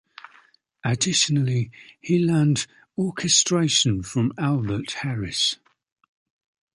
Additionally, he learned orchestration from Albert Harris.